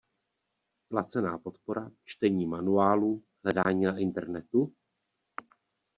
Placená podpora, čtení manuálů, hledání na Internetu?